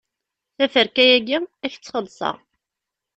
Taferka-agi, ad k-tt-xelṣeɣ.